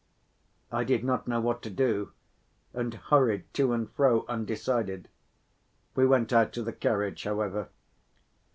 I did not know what to do and hurried to and fro undecided; we went out to the carriage, however.